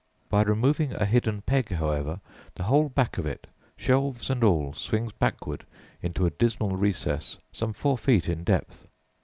By removing a hidden peg, however, the whole back of it, shelves and all, swings backwards into a dismal recess some four feet in depth.